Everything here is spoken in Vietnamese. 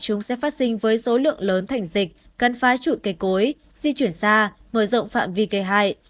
chúng sẽ phát sinh với số lượng lớn thành dịch căn phá trụi cây cối di chuyển xa mở rộng phạm vi cây hại